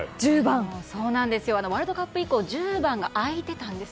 ワールドカップ以降１０番が空いていたんです。